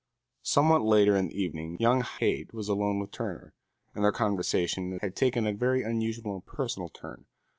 Somewhat later in the evening young Haight was alone with Turner, and their conversation had taken a very unusual and personal turn.